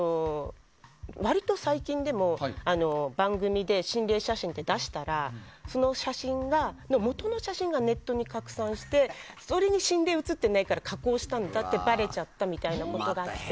割と最近でも番組で心霊写真って出したらその写真のもとの写真がネットに拡散してそれに心霊が写ってないから加工したのがばれちゃったみたいなことがあって。